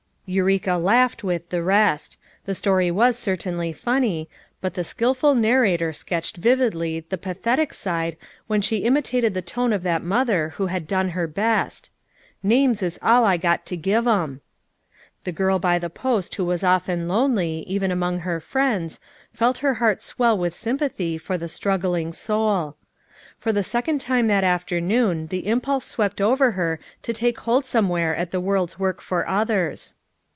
" Eureka laughed with the rest. The story was certainly funny, but the skillful narrator 324 FOUR MOTHERS AT CHAUTAUQUA sketched vividly the pathetic side when she imitated the tone of that mother who had done her best; "Names is all I got to give 'em." The girl by the post who was often lonely, even among her friends, felt her heart swell with > ^sympathy for the struggling soul. For the second time that afternoon the impulse swept over her to take hold somewhere at the world's work for others.